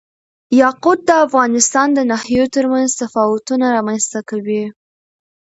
یاقوت د افغانستان د ناحیو ترمنځ تفاوتونه رامنځ ته کوي.